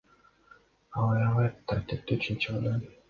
Ал аябай тартиптүү, чынчыл адам.